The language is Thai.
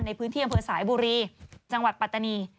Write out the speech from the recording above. ในพื้นที่อำเภอสายบุรีจังหวัดปัตตานี